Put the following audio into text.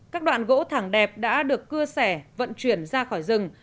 các đoạn gỗ thẳng đẹp đã được cưa sẻ vận chuyển ra khỏi rừng